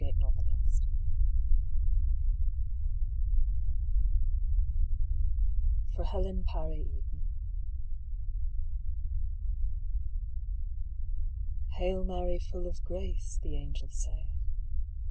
The Annunciation (For Helen Parry Eden) "Hail Mary, full of grace," the Angel saith.